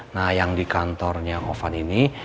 nah yang di kantornya ovan ini